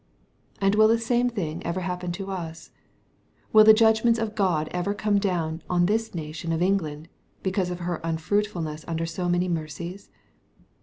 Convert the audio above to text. And will the same thing ever happen to us ? Will the judgments of God ever come down on this nation of England, because of her unfruitfulness under so many mercies